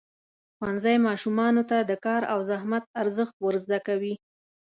ښوونځی ماشومانو ته د کار او زحمت ارزښت ورزده کوي.